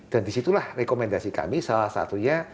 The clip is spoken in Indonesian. dan disitulah rekomendasi kami salah satunya